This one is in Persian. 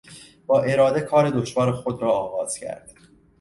با اراده کار دشوار خود را آغاز کرد.